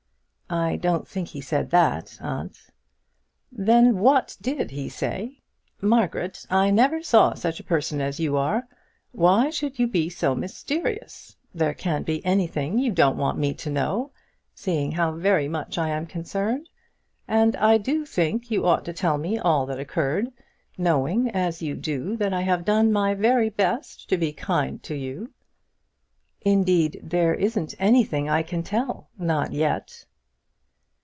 "I don't think he said that, aunt." "Then what did he say? Margaret, I never saw such a person as you are. Why should you be so mysterious? There can't be anything you don't want me to know, seeing how very much I am concerned; and I do think you ought to tell me all that occurred, knowing, as you do, that I have done my very best to be kind to you." "Indeed there isn't anything I can tell not yet."